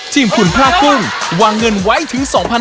ชิมที่คุณผ้าปุ้งวางเงินให้ถึง๒๕๐๐บาท